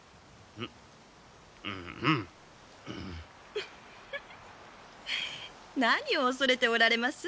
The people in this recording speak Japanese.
フフフ何を恐れておられます？